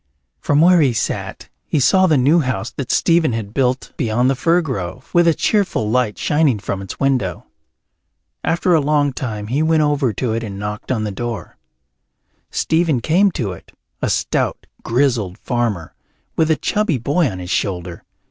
From where he sat he saw the new house that Stephen had built beyond the fir grove, with a cheerful light shining from its window. After a long time he went over to it and knocked at the door. Stephen came to it, a stout grizzled farmer, with a chubby boy on his shoulder.